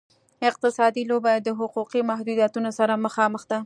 اقتصادي لوبه د حقوقي محدودیتونو سره مخامخ ده.